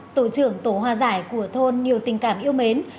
tổ trưởng tổ hòa giải của thôn nhiều tình cảm yêu mến